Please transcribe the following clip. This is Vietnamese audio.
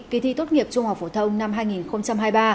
kỳ thi tốt nghiệp trung học phổ thông năm hai nghìn hai mươi ba